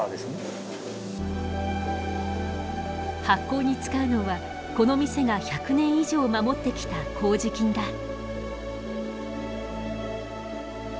発酵に使うのはこの店が１００年以上守ってきた麹菌だ。